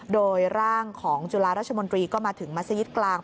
โดยร่างของจุฬาราชมนตรีก็มาถึงมัศยิตกลาง